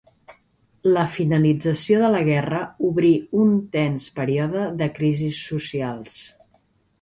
La finalització de la guerra obrí un tens període de crisis socials.